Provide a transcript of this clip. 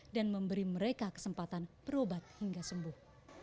dan memberi mereka kesempatan perobat hingga sembuh